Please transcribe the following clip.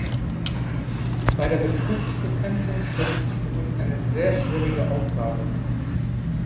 Bei der Betrugsbekämpfung stellt sich für uns eine sehr schwierige Aufgabe.